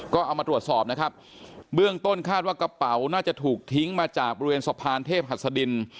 ก็เอามาตรวจสอบนะครับเบื้องต้นคาดว่ากระเป๋าน่าจะถูกทิ้งมาจากบริเวณสะพานเทพหัสดิน